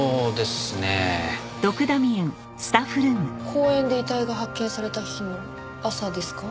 公園で遺体が発見された日の朝ですか？